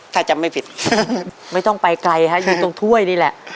ถ้าจำไม่ผิดไม่ต้องไปไกลฮะอยู่ตรงถ้วยนี่แหละ